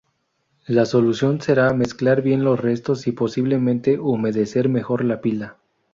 La solución será mezclar bien los restos y posiblemente humedecer mejor la pila.